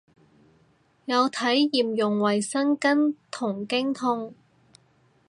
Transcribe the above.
有體驗用衛生巾同經痛